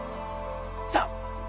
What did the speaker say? さあ！